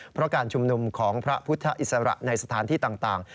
เพราะการชุมนุมของพระพุทธอิสระในสถานที่ต่าง